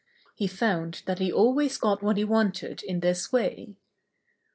He found that he always got what he wanted in this way.